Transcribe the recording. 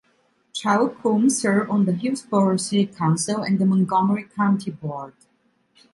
Challacombe served on the Hillsboro City Council and the Montgomery County Board.